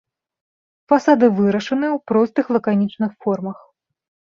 Фасады вырашаны ў простых лаканічных формах.